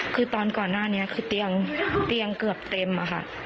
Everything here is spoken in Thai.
คือตอนก่อนหน้านี้คือเตียงเกือบเต็มอะค่ะ